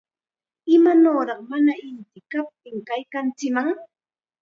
¡Imanawraq mana inti kaptin kaykanchikman!